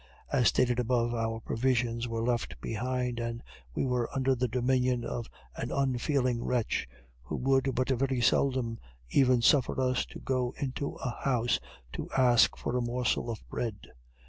As stated above, our provisions were left behind, and we were under the dominion of an unfeeling wretch, who would but very seldom even suffer us to go into a house to ask for a morsel of bread.